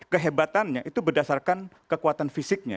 kehebatannya itu berdasarkan kekuatan fisiknya